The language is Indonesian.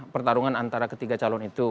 pertarungan antara ketiga calon itu